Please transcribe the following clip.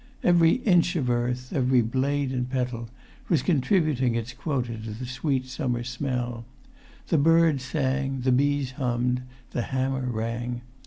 Every inch of earth, every blade and petal, was contributing[Pg 248] its quota to the sweet summer smell. The birds sang; the bees hummed; the hammer rang.